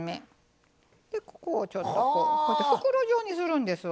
でここをちょっとこうこうやって袋状にするんですわ。